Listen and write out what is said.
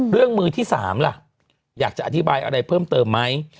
มือที่๓ล่ะอยากจะอธิบายอะไรเพิ่มเติมไหม